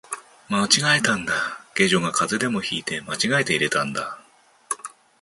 間違えたんだ、下女が風邪でも引いて間違えて入れたんだ